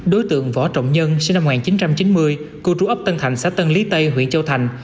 đối tượng võ trọng nhân sinh năm một nghìn chín trăm chín mươi cư trú ấp tân thạnh xã tân lý tây huyện châu thành